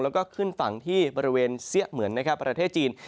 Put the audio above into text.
แล้วก็ขึ้นฝั่งที่บริเวณเสี้ยเหมือนนะครับประเทศจีน